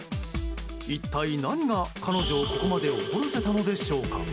一体、何が彼女をここまで怒らせたのでしょうか。